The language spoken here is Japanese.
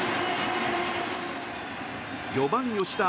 ４番、吉田